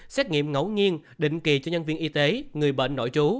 xét nghiệm ngẫu nhiên định kỳ cho nhân viên y tế người bệnh nội trú